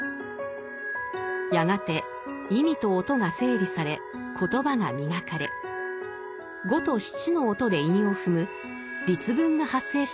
やがて意味と音が整理され言葉が磨かれ五と七の音で韻を踏む「律文」が発生したといいます。